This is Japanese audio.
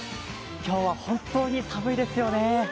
今日は本当に寒いですよね。